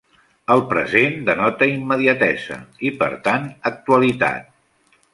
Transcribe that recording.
El present denota immediatesa i per tant, actualitat.